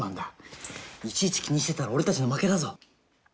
いちいち気にしてたら俺たちの負けだぞ。